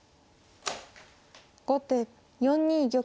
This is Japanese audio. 後手４二玉。